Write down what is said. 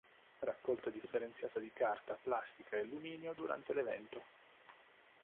Raccolta differenziata di carta, plastica e alluminio durante l'evento.